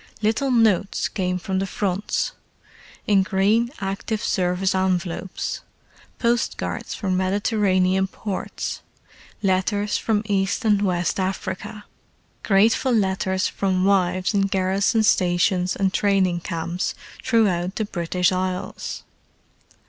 Little notes came from the Fronts, in green Active Service envelopes: postcards from Mediterranean ports; letters from East and West Africa; grateful letters from wives in garrison stations and training camps throughout the British Isles.